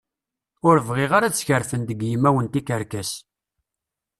Ur bɣiɣ ara ad skerfen deg yimawen tikerkas.